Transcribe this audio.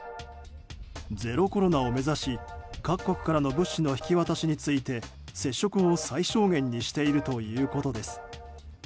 ゼロコロナを目指し、各国からの物資の引き渡しについて接触を最小限にしているということです。